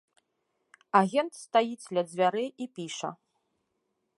Агент стаіць ля дзвярэй і піша.